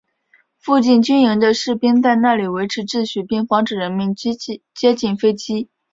附近军营的士兵在那里维持秩序并防止人们太接近飞机。